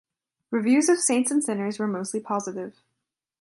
Reviews of Saints and Sinners were mostly positive.